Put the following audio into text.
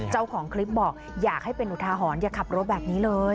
เจ้าของคลิปบอกอยากให้เป็นอุทาหรณ์อย่าขับรถแบบนี้เลย